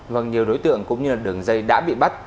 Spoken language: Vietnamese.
vâng nhiều đối tượng cũng như đường dây đã bị bắt